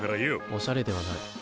おしゃれではない。